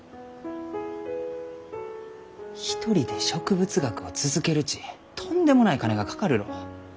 一人で植物学を続けるちとんでもない金がかかるろう。